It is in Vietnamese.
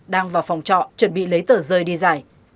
đang vào phòng trọ chuẩn bị lấy tờ rơi đi giải